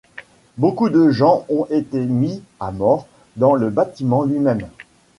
Beaucoup de gens ont été mis à mort dans le bâtiment lui-même.